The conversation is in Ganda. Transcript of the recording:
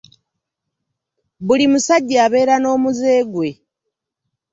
Buli musajja abeera n'omuze gwe.